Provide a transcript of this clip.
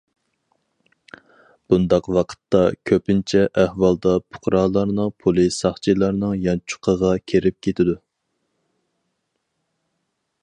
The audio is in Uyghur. بۇنداق ۋاقىتتا، كۆپىنچە ئەھۋالدا پۇقرالارنىڭ پۇلى ساقچىلارنىڭ يانچۇقىغا كىرىپ كېتىدۇ.